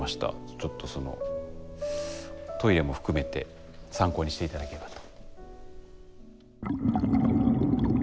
ちょっとそのトイレも含めて参考にして頂けたらと。